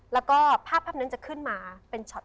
แล้วก็ภาพนั้นจะขึ้นมาเป็นช็อต